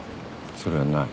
それはない。